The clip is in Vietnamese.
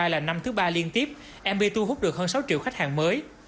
hai nghìn hai mươi ba là năm thứ ba liên tiếp mv tu hút được hơn sáu triệu khách hàng mới